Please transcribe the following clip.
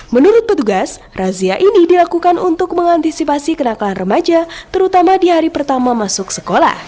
menurut petugas razia ini dilakukan untuk mengantisipasi kenakalan remaja terutama di hari pertama masuk sekolah